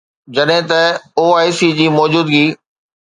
جڏهن ته او آءِ سي جي موجودگي